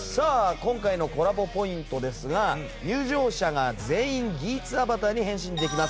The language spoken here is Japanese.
今回のコラボポイントですが入場者が全員ギーツアバターに変身できます。